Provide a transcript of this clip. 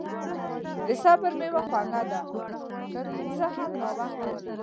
د صبر میوه خوږه ده، که څه هم ناوخته وي.